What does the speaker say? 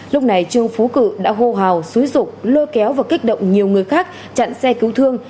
lúc này trương phú cự đã hô hào xúi rục lôi kéo và kích động nhiều người khác chặn xe cứu thương